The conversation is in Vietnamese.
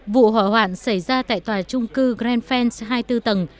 vụ hỏa hoạn xảy ra tại tòa trung cư grand fin hai mươi bốn tầng